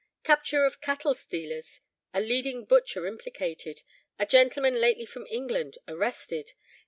Capture of cattle stealers, a leading butcher implicated. A gentleman lately from England arrested.